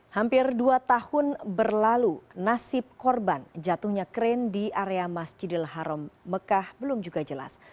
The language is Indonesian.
hampir dua tahun berlalu nasib korban jatuhnya kren di area masjidil haram mekah belum juga jelas